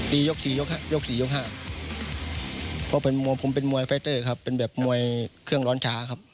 ตียก๔ยก๕เพราะผมเป็นมวยไฟเตอร์ครับเป็นแบบมวยเครื่องร้อนช้าครับ